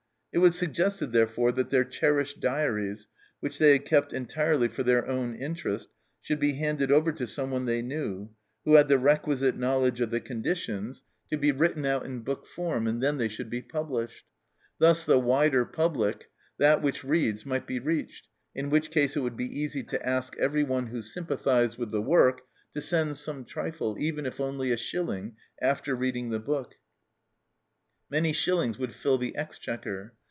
It was suggested, therefore, that their cherished diaries, which they had kept entirely for their own interest, should be handed over to someone they knew, who had the requisite knowledge of the conditions, to be 262 THE CELLAR HOUSE OF PERVYSE written out in book form, and then they should be published. Thus the wider public that which reads might be reached, in which case it would be easy to ask everyone who sympathized with the work to send some trifle, even if only a shilling, after reading the book. Many shillings would fill the exchequer.